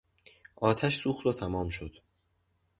آتش سوخت و تمام شد.